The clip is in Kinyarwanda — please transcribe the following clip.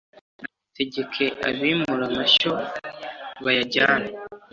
Muranategeke abimura amashyo bayajyane